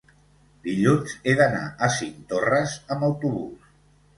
Dilluns he d'anar a Cinctorres amb autobús.